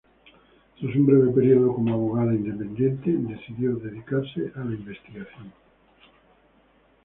Tras un breve periodo como abogada independiente decidió dedicarse a la investigación.